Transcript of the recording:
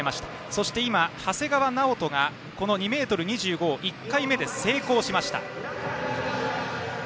そして長谷川直人が２ｍ２５を１回目で成功しました。